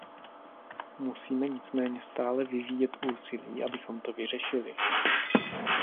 Musíme nicméně stále vyvíjet úsilí, abychom to vyřešili.